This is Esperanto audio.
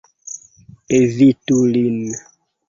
Evitu lin.